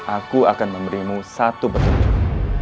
aku akan memberimu satu petunjuk